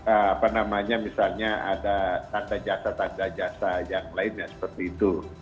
apa namanya misalnya ada tanda jasa tanda jasa yang lainnya seperti itu